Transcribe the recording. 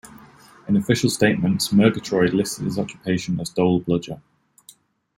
In official statements, Murgatroyd listed his occupation as "dole bludger".